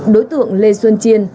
đối tượng lê xuân chiên